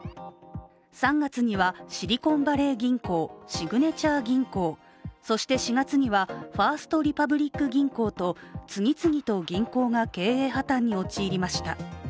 ３月にはシリコンバレー銀行、シグネチャー銀行、そして４月には、ファースト・リパブリック銀行が破綻するなど次々と銀行が経営破綻に陥りました。